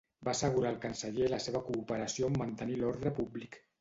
Va assegurar al canceller la seva cooperació en mantenir l'ordre públic.